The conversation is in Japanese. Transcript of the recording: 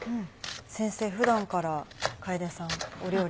先生普段から楓さんお料理は？